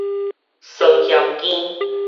酸薟羹